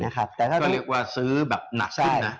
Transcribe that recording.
ก็เรียกว่าซื้อนักซึ้งนะ